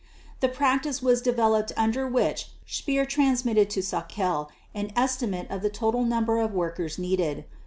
The practice was developed under which Speer transmitted to Sauckel an estimate of the total number of workers needed.